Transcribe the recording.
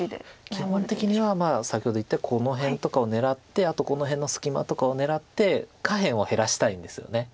基本的には先ほど言ったこの辺とかを狙ってあとこの辺の隙間とかを狙って下辺を減らしたいんですよね。